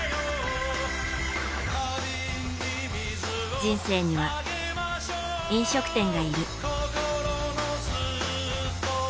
人生には、飲食店がいる。